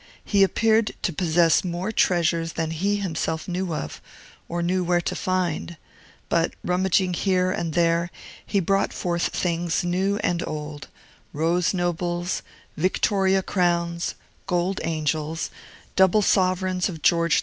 He appeared to possess more treasures than he himself knew off, or knew where to find; but, rummaging here and there, he brought forth things new and old: rose nobles, Victoria crowns, gold angels, double sovereigns of George IV.